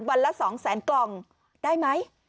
วันละ๒๐๐๐๐๐กล่องได้ไหม